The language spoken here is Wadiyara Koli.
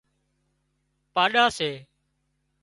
پاڏا سي